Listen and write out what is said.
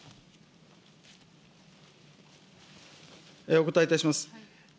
お答えいたします。